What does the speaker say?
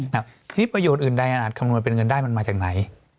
ทีนี้ประโยชน์อื่นใดอาจคำนวณเป็นเงินได้มันมาจากไหน